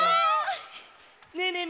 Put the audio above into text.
ねえねえ